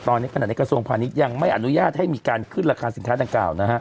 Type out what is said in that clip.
ตอนนี้ขณะในกระทรวงพาณิชย์ยังไม่อนุญาตให้มีการขึ้นราคาสินค้าดังกล่าวนะฮะ